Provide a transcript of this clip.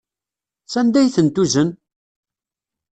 Sanda ay ten-tuzen?